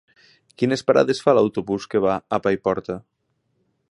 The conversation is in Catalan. Quines parades fa l'autobús que va a Paiporta?